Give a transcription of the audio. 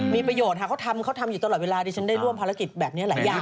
มีประโยชน์ค่ะเขาทำเขาทำอยู่ตลอดเวลาดิฉันได้ร่วมภารกิจแบบนี้หลายอย่าง